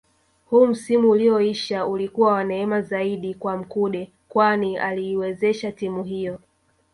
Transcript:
Huu msimu ulioisha ulikuwa wa neema zaidi kwa Mkude kwani aliiwezesha timu hiyo